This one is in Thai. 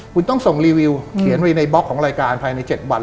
คุณต้องส่งรีวิวเขียนไว้ในบล็อกของรายการภายใน๗วัน